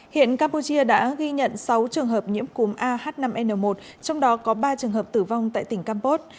hiện campuchia đã ghi nhận sáu trường hợp nhiễm cúm ah năm n một trong đó có ba trường hợp tử vong tại tỉnh campos